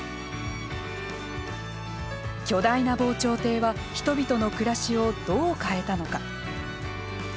巨大な防潮堤は人々の暮らしをどう変えたのか。